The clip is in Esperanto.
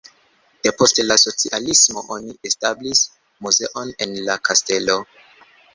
Depost la socialismo oni establis muzeon en la kastelo.